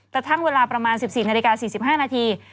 กระทั่งเวลาประมาณ๑๔นาฬิกา๔๕นาที